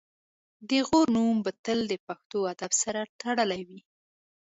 د غور نوم به تل د پښتو ادب سره تړلی وي